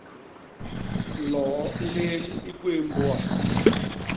Loo i lién i gwéé mbôa.